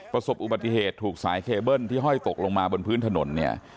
ประสบอุบัติเหตุถูกสายเคเบิ้ลที่ห้อยตกลงมาบนพื้นถนนเนี่ย